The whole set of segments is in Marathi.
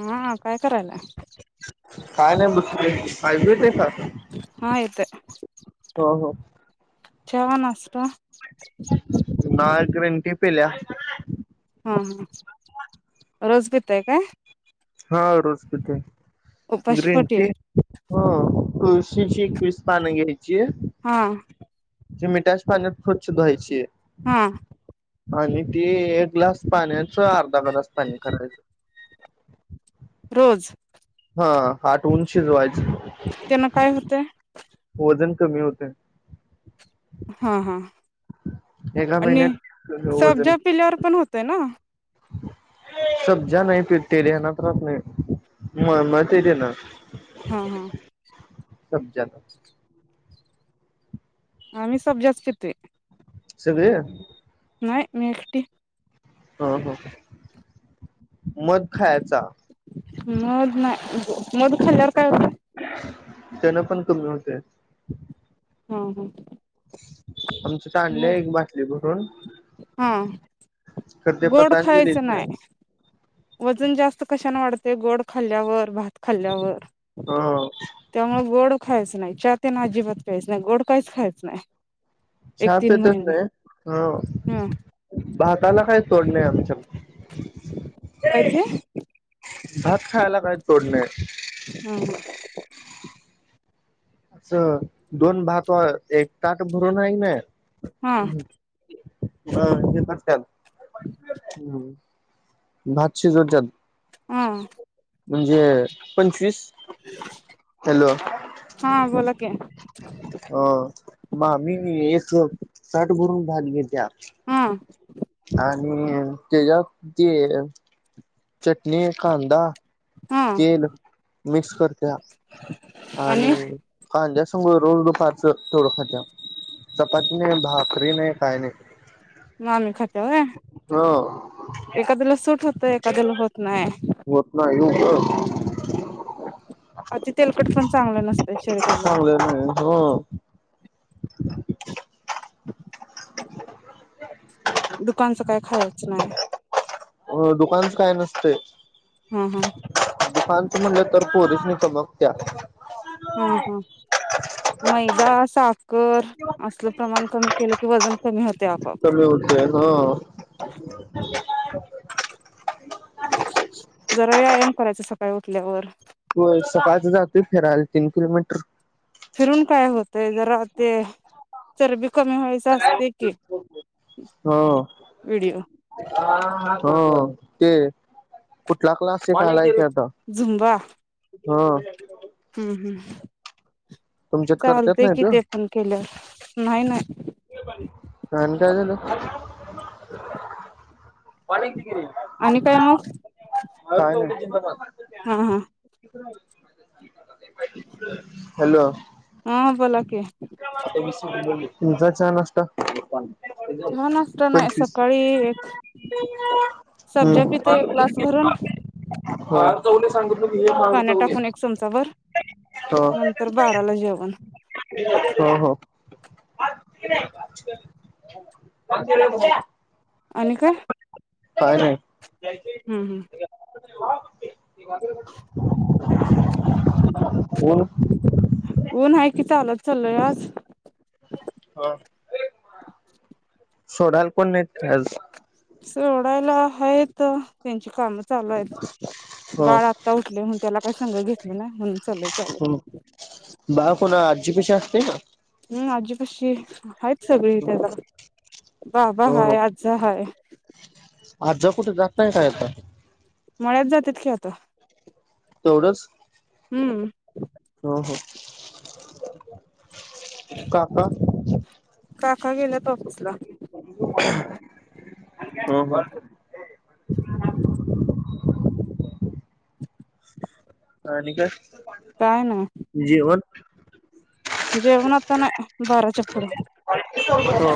हा काय करालाय? [unintelligible] हो हा येतय हो चहा, नाष्टा आज ग्रीनटी पिल्या हं रोज पिताय काय? हा रोज पितोय. उपाशीपोटी हो तुळशीची एकवीस पानं घ्यायची. हा ज मिठाच्या पाण्यात स्वच्छ धुवायची हा आणि ते एक ग्लास पाण्याच अर्धा ग्लास पाणी करायचं रोज हा आठउन शिजवायचं त्यांन काय होतय? वजन कमी होतय हा हा एका आणि महिन्यात सब्जा पिल्यावर पण होतय नवं? सबजा नाही पितं ध्यानात राहत नाही मळं मळं ते तेनं हा हा सबजा नं आम्ही सब जास्त पित आहे सगळं नाही मी एकटी हा हा मध खायचा मग तु खाल्ल्यावर काय होतं त्यांना पण कमी होते हा हा आमच्यात आणल्या मध एक बाटले भरून हा खर ते गोड पतांजली खायचं आहे नाही वजन जास्त कशाने वाढते गोड खाल्ल्यावर भात खल्ल्यावर हो त्यामुळे गोड खायच नाही चां त्याना अजिबात घ्यायचं नाही गोड काहीच खायचं नाही एक चहा तीन पीतच महिने नाही भा ह भातला काय तोडलंय आमच्या काय ते भात खाला काय पोडणे असं दोन भात एक ताट भरून आहे ना हा [unintelligible] हम्म भात शिजवतात हा म्हणजे पंचवीस हॅलो हा बोला क ह हो मामी एक ताट भरून भात घेत्या हा आणि त्याच्यात ती चटणी, कांदा हा तेल मिक्स करत्या आणि खान जास् ग रोज दोफच तेवड खात्यात, चपाती नाही भाकरी नाही काय नाही मामी खात्या व्हय, ह एखाद्याला सुट होत एखाद्याला होत नाही होत ना येव कर अती तेलकट पण चांगल नसते शरीराला चांगलं नाही दुकानचं काय खायचं नाही. अ दुकानच काय नसतय हम्म हम्म तर पोरिसनी तबकत्या हम्म मैदा अस [unintelligible] कर असलं प्रमाण कमी केलं की वजन कमी होते आपआप कमी होते ह [inaudible] करायचं सकाळी उठल्यावर होय सकाळच जातोय फिरायला, तीन किलोमीटर फिरून काय होतय जरा ते चरबी कमी व्हायच असतय की ह व्हडिओ ह ते कुठला क्लास शिकाला येत्यात झुंबा हा हं हं तुमच्यात करतात चालतय नाही ते किती पण केल्यावर नाही नाही आणि काय झालं आणि काय मग हा हा [unintelligible] [inaudible] हॅलो हा बोला की [unintelligible] तुझा चहा -नास्टा चहा नाष्टा नाय सकाळी एक सबजा पितो हम्म एक ग्लास भरून [unintelligible] मार पाण्यात चवले टाकून एक चमचाभर हो नंतर बाराला जेवण हा हा [unintelligible] आणि का काय नाय हूं हूं [inaudible] [inaudible] [unintelligible] ऊन हाय कि चालत चलोय आज सोडायला कोण नाहीेत काय आज सोडायला हायेत त्यांची काम चालू आहे हो बाळ आत्ता उठलय म्हणुन त्याला [unintelligible] संग घेतली ना म्हणून चलोय चालत बाळ कोणा आजी पाशी असतय ना हूं आजीपाशी हाईत सगळी त्याला बाबा हो हो हाय आज हाय आजा कुठ जात नाय काय आता मळ्यात जात्यात की आता तेवढंच हं हो हो काका काका गेल्यात ऑफिसला हो का [inaudible] आणि काय जेवण जेवण आत्ता नाय बाराच्या पुढ हो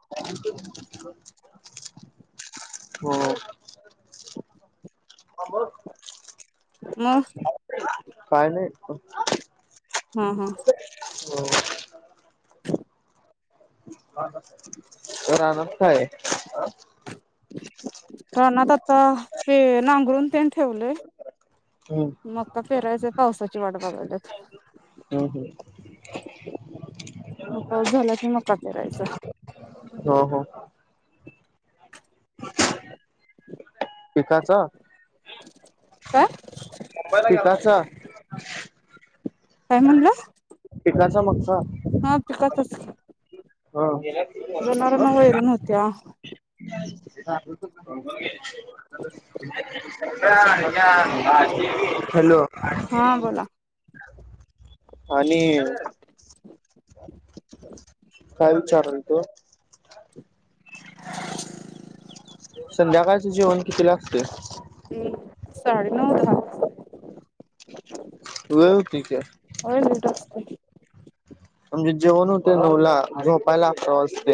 [inaudible] हो [inaudible] म काय नाही हा हा हो [inaudible] रानात होय रानात आता ते [unintelligible] ठेवलंय हम्म मग आता पेरायचं पावसाची वाट बघल्यात हम्म हम्म ह पाऊस झाला कि मका पेरायचा पिकाचं काय मुंबई ला गेलासा काय म्हणला? पिकाचा मागचा [unintelligible] हा जनावरांना वैरण होत्या [inaudible] हॅलो हा बोला. आणि काय विचारल तो [inaudible] संध्याकाळच जेवण कितीला असते साडे नऊ धा वेळ होती की [unintelligible] म्हणजे जेवण होते नऊला झोपायला अकरा वाजते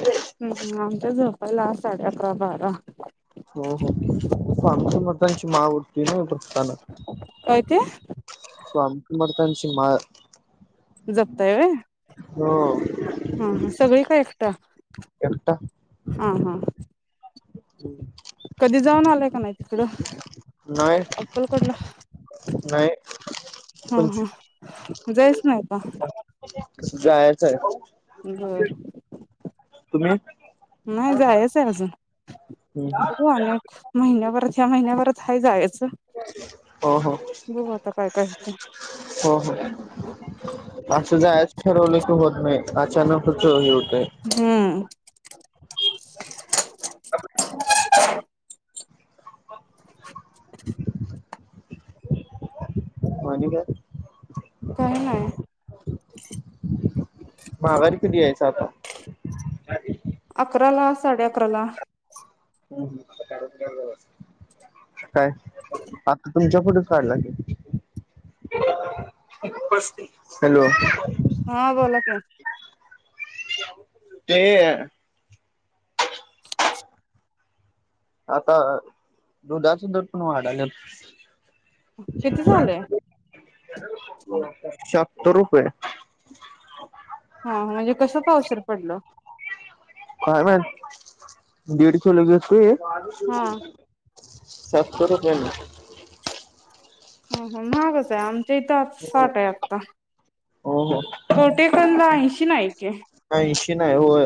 आमच्या झोप पायला साडे अकरा बारा स्वामी समर्थांची माळ झोपताना काय ते? माळ जप ताय व्हय हो हा हा सगळी का एकटा एकटा हा हा हम्म कधी [unintelligible] तिकडं अक्कलकोटला नाही हा पंचवीस हा जायच नाय का जायचं आहे बर तुम्ही नाही जायचय अजून हुं बघू अनेक महिन्याभरात ह्या महिन्याभरात हाय जायचं हो हो बघू आता काय काय होतंय हो हो असं जायच ठरवल की होत नाही अचानकच हे होत हम्म [inaudible] [inaudible] आणि काय काही नाही माघारी कधी यायच आता अकरा ला साडे अकरा ला काय आता तुमच्या पुढेच काढला की हॅलो हा बोलाकी ते आता दुधाचे दर पण वाढलेत किती झालंय तरो रुपये [unintelligible] हा म्हणजे कसं पावशेर पडलं काय माहित दीड किलो घेतले हा [inaudible] सत्तर रुपये हो हो महागच हाय आम इथं हो साठ आहे आता हो कवठे एकंद ला आईशी न हाय की ऐंशी नाही होय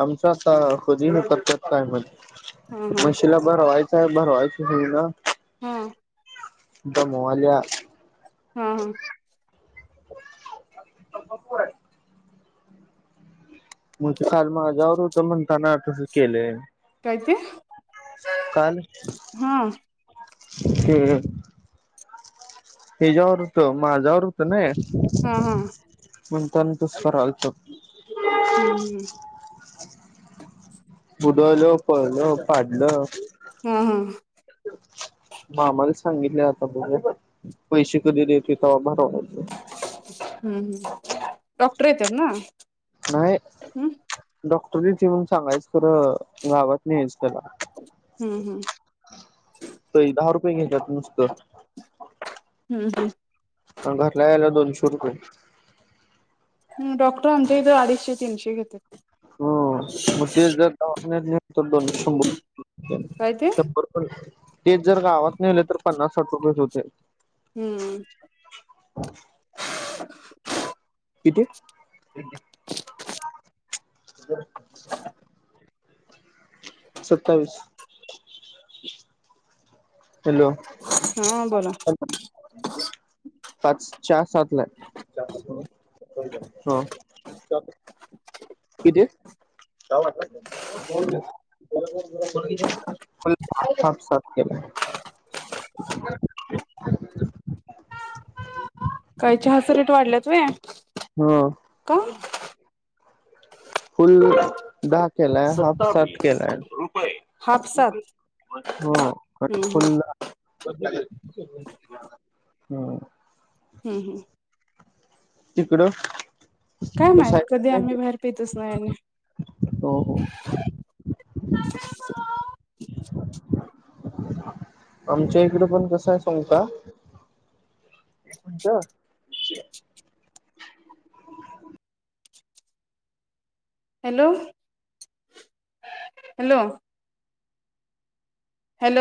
आमच्या आता हा [unintelligible] हा मशीला बरंवाय भरवसा आहे भरवायचं होईना [unintelligible] हम् दमवाल्या [unintelligible] हा हा [unintelligible] मग ते काल माझ्यावर होत म्हणताना तसं केलंय काय ते काल हा [unintelligible] हिच्या्यावर होतं माझ्यावर होतं ना हा हा [unintelligible] म्हणताना तसं करालतो हम्म ह [unintelligible] पाडलं हम्म हा हा मामाला सांगितल आता बघूय पैसे कधी देत हे तवा भर हो [unintelligible] हम् हम् [inaudible] डॉक्टर येत्यात ना नाही हम्म [inaudible] डॉ तुम्हीच येऊन सांगायच खरं गावात यायच हम्म आहेत्याला त दहा रुपये घेत्यात नुसतं हम्म हम्म [unintelligible] यायला दोनशे रुपये डॉक्टर आमच्या इथं अडीचशे तीनशे घेत्यात ह मग ते जर ते दवाखान्यात नेऊ स्तवोर दोन--शंभर रुपये काय ते शंभर पण तेच जर गावात नेले तर पन्नास साठ रुपयेच होते हम्म [inaudible] किती [unintelligible] सत्तावीस हॅलो हा बोला [unintelligible] पाच, चार, सात ला आहे हं किती [unintelligible] साात केला [inaudible] काय? चहाचा रेट वाढल्यात व्हय हं [inaudible] का फुल दहा केलाय हाफ सात केलाय हापसात हं हम्म [unintelligible] हम्म फुलं [unintelligible] हा हं हं तिकडं [inaudible] काय कसं माहीत कधी? आहे आम्ही बाहेर पितच नाही हो हो [unintelligible] आमच्या इकडं पण कस आहे सांगु का? [unintelligible] Hello [unintelligible] hello hello